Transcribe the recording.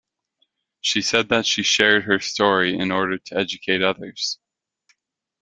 She said that she shared her story in order to educate others.